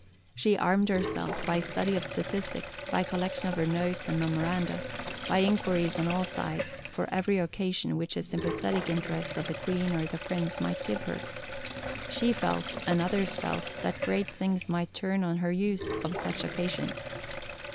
She armed herself, by study of statistics, by collection of her notes and memoranda, by inquiries on all sides, for every occasion which the sympathetic interest of the Queen or the Prince might give her. She felt, and others felt, that great things might turn on her use of such occasions.